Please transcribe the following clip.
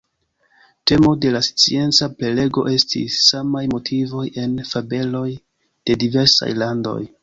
Temo de la scienca prelego estis: samaj motivoj en fabeloj de diversaj landoj.